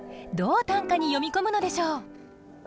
どう短歌に詠み込むのでしょう？